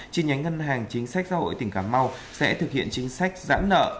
chi nhánh ngân hàng chính sách xã hội tỉnh cà mau sẽ thực hiện chính sách giãn nợ